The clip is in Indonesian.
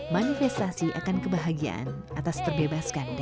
manifestasi akan kebahagiaan atas terbebaskan dari tanam paksa